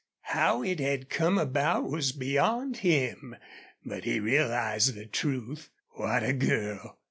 How it had come about was beyond him, but he realized the truth. What a girl!